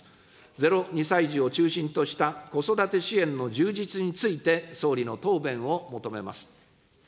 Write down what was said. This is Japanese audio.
０ー２歳児を中心とした子育て支援の充実について、総理の答弁を求めます。